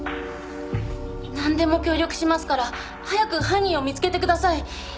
なんでも協力しますから早く犯人を見つけてください。